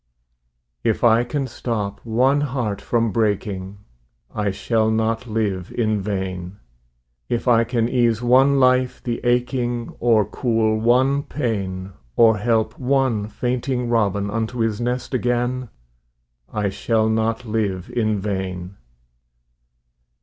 If I can stop one heart from breaking, I shall not live in vain; If I can ease one life the aching, Or cool one pain, Or help one fainting robin Unto his nest again, I shall not live in vain.